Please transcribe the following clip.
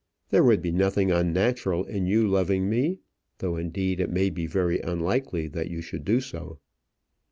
There would be nothing unnatural in you loving me though, indeed, it may be very unlikely that you should do so."